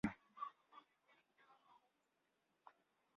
Pia kuna sehemu za mkoa huu ni wa kihistoria katika baadhi ya maeneo.